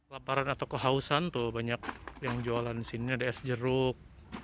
laparan atau kehausan tuh banyak yang jualan di sini ada es jeruk